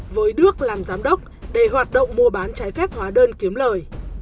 với đức làm giám đốc để hoạt động mua bán trái phép hóa đơn kiếm lời